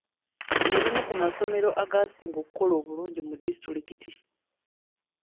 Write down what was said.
Lye limu ku masomero agasinga okukola obulungi mu disitulikiti.